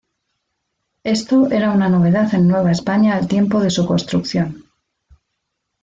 Esto era una novedad en Nueva España al tiempo de su construcción.